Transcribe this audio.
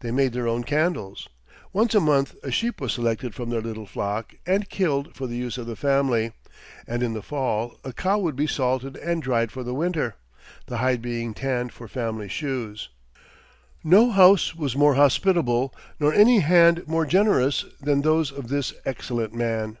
They made their own candles. Once a month a sheep was selected from their little flock and killed for the use of the family, and in the fall a cow would be salted and dried for the winter, the hide being tanned for the family shoes. No house was more hospitable, nor any hand more generous, than those of this excellent man.